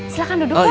silahkan duduk pak